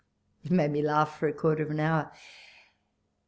It made me laugh for a quarter of an hour.